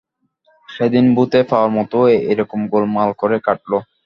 সেদিন ভূতে পাওয়ার মতো এইরকম গোলমাল করে কাটল।